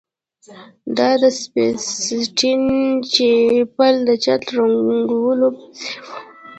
دا د سیسټین چیپل د چت د رنګولو په څیر و